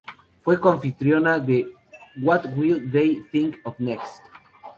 Fue coanfitriona de "What Will They Think of Next?